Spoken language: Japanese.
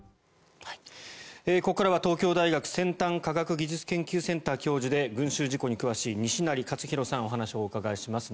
ここからは東京大学先端科学技術研究センター教授で群衆事故に詳しい西成活裕さんにお話をお伺いします。